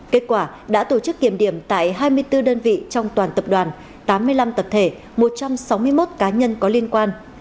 kết quả đã tổ chức kiểm điểm tại hai mươi bốn đơn vị trong toàn tập đoàn tám mươi năm tập thể một trăm sáu mươi một cá nhân có liên quan